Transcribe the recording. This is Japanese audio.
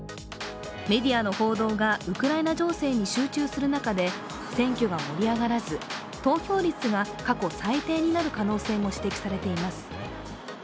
メディアの報道がウクライナ情勢に集中する中で選挙が盛り上がらず、投票率が過去最低になる可能性も指摘されています。